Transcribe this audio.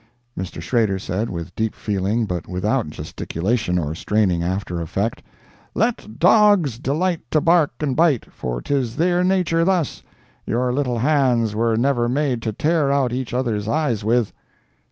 Mr. Shrader said, with deep feeling, but without gesticulation or straining after effect: "Let dogs delight to bark and bite, For 'tis their nature thus— Your little hands were never made To tear out each other's eyes with."